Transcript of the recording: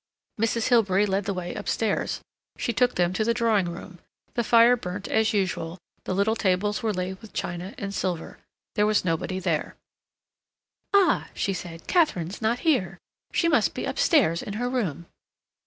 Mrs. Hilbery led the way upstairs. She took them to the drawing room. The fire burnt as usual, the little tables were laid with china and silver. There was nobody there. "Ah," she said, "Katharine's not here. She must be upstairs in her room.